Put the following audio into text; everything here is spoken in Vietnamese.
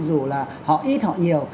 dù là họ ít họ nhiều